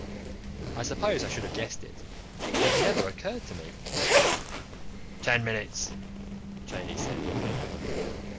I suppose I should have guessed it, but it had never occurred to me. "Ten minutes," Cheyney said.